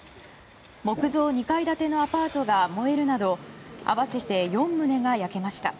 木造２階建てのアパートが燃えるなど合わせて４棟が焼けました。